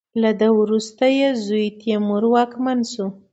له ده څخه وروسته یې زوی تیمور واکمن شو.